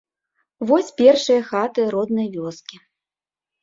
Вось першыя хаты роднай вёскі.